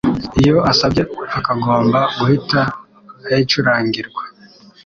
iyo asabye akagomba guhita ayicurangirwa.